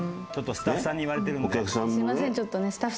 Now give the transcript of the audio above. スタッフさんに言われてるんで。